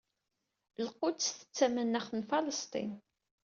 Lquds d tamanaɣt n Falesṭin.